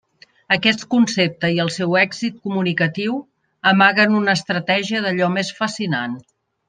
Aquest concepte i el seu èxit comunicatiu amaguen una estratègia d'allò més fascinant.